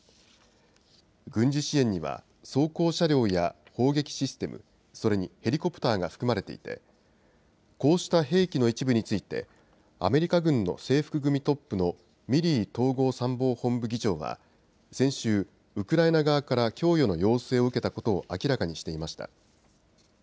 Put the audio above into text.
軍事支援には装甲車両や砲撃システム、それにヘリコプターが含まれていてこうした兵器の一部についてアメリカ軍の制服組トップのミリー統合参謀本部議長は先週、ウクライナ側から供与の要請を受けたことを明らかにしていました。